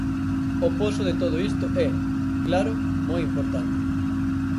O poso de todo isto é, claro, moi importante.